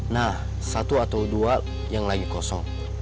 nah satu atau dua yang lagi kosong